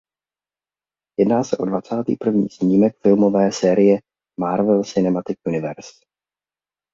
Jedná se o dvacátý první snímek filmové série Marvel Cinematic Universe.